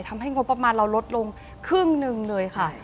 ทำให้งบประมาณเราลดลงครึ่งหนึ่งเลยค่ะ